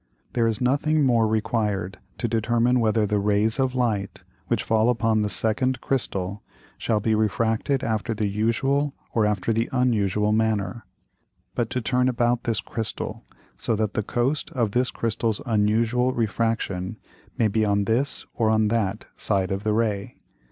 There is nothing more required to determine whether the Rays of Light which fall upon the second Crystal shall be refracted after the usual or after the unusual manner, but to turn about this Crystal, so that the Coast of this Crystal's unusual Refraction may be on this or on that side of the Ray.